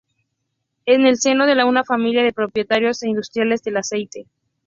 En el seno de una familia de propietarios e industriales del aceite.